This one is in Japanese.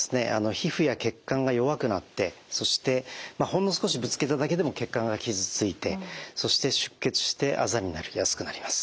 皮膚や血管が弱くなってそしてほんの少しぶつけただけでも血管が傷ついてそして出血してあざになりやすくなります。